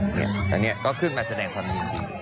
เนี่ยแต่เนี่ยก็ขึ้นมาแสดงความเห็น